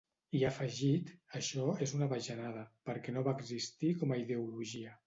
I ha afegit: Això és una bajanada, perquè no va existir com a ideologia.